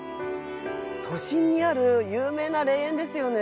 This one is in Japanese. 都心にある有名な霊園ですよね。